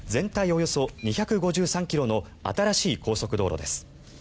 およそ２５３ｋｍの新しい高速道路です。